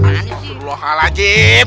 masya allah hal lajim